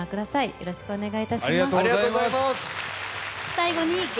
よろしくお願いします。